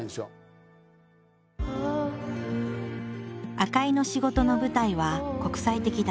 赤井の仕事の舞台は国際的だ。